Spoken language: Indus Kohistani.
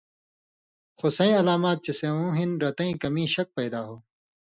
خو سَیں علامات چے سېوں ہِن رتَیں کمِیں شک پیدا ہو